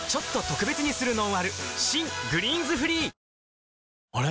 新「グリーンズフリー」あれ？